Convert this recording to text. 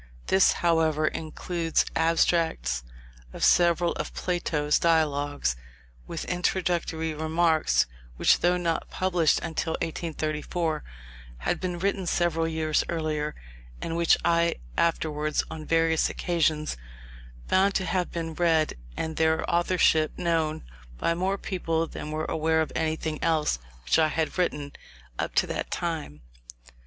This, however, includes abstracts of several of Plato's Dialogues, with introductory remarks, which, though not published until 1834, had been written several years earlier; and which I afterwards, on various occasions, found to have been read, and their authorship known, by more people than were aware of anything else which I had written, up to that time.